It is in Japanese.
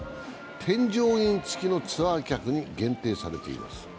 添乗員付きのツアー客に限定されています。